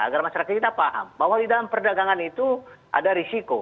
agar masyarakat kita paham bahwa di dalam perdagangan itu ada risiko